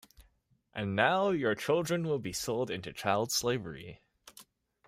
And now your children will be sold into child slavery.